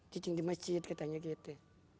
cicing di masjid katanya gitu